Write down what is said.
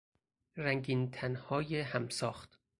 رنگینتنهای همساخت